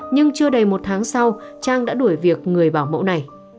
nhưng chưa đầy một tháng sau trang đã đuổi việc người bảo mẫu này